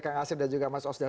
kak asyid dan juga mas ozdar